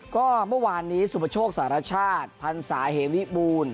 ก็เมื่อวานนี้สุปโชคสารชาติพันศาเหวิบูรณ์